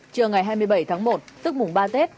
trưa ngày hai mươi bảy tháng một tức mùng ba tết